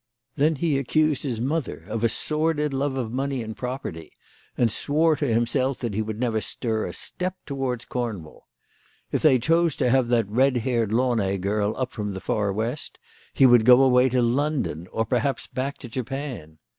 Then he accused his mother of a sordid love of money and property, and swore to himself that he would never stir a step towards Cornwall. If they chose to have that red haired Launay girl up from the far west, he would go away to London, or perhaps back to Japan.